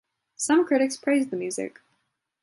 Some critics praised the music.